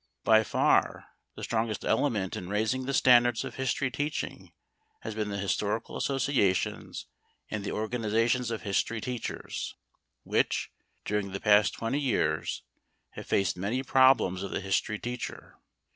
By far the strongest element in raising the standards of history teaching has been the historical associations and the organizations of history teachers, which, during the past twenty years, have faced many problems of the history teacher.